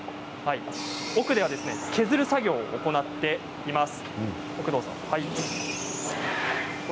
奥では削る作業を行っています。